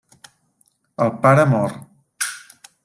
El pare mor.